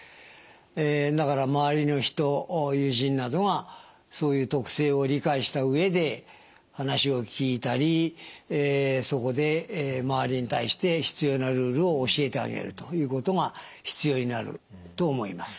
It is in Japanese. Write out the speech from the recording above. だから周りの人友人などがそういう特性を理解した上で話を聞いたりそこで周りに対して必要なルールを教えてあげるということが必要になると思います。